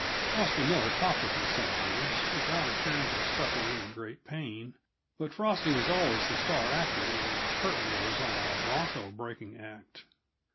Frosty Miller talked with me sometimes, without appearing to suffer any great pain, but Frosty was always the star actor when the curtain rose on a bronco breaking act.